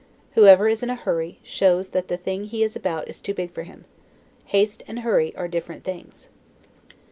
Whoever is in a hurry, shows that the thing he is about is too big for him. Haste and hurry are very different things.